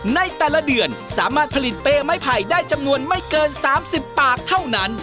ในแต่ละเดือนสามารถผลิตเป้ไม้ไผ่ได้จำนวนไม่เกิน๓๐ปากเท่านั้น